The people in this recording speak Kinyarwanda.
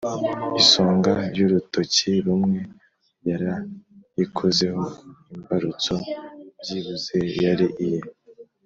isonga y'urutoki rumwe yarayikozeho! imbarutso byibuze yari iye!